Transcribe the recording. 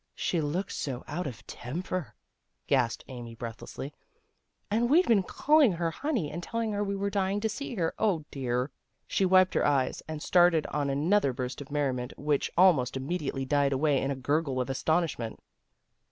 " She looked so out of temper," gasped Amy breathlessly. " And we'd been calling her ' honey ' and telling her we were dying to see her. O dear! " She wiped her eyes, and started on another burst of merriment which THE RETURN OF PEGGY almost immediately died away in a gurgle of astonishment.